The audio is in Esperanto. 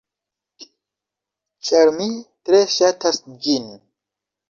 Ĉar mi tre ŝatas ĝin.